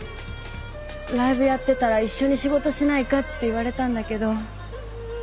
ライブやってたら一緒に仕事しないかって言われたんだけど。